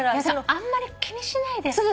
あんまり気にしないで。